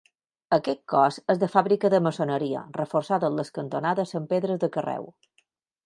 Aquest cos és de fàbrica de maçoneria, reforçada en les cantonades amb pedres de carreu.